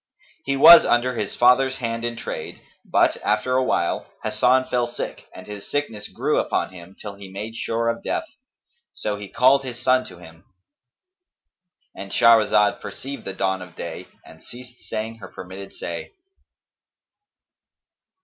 He was under his father's hand in trade but, after a while, Hasan fell sick and his sickness grew upon him, till he made sure of death; so he called his son to him,—And Shahrazad perceived the dawn of day and ceased saying her permitted say.